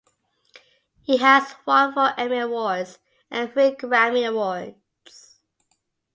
He has won four Emmy Awards and three Grammy Awards.